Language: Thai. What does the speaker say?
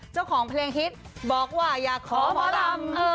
เจ้าของเพลงฮิตบอกว่าอยากขอหมอลำ